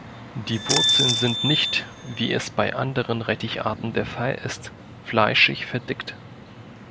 Die Wurzeln sind nicht, wie es bei anderen Rettich-Arten der Fall ist, fleischig verdickt.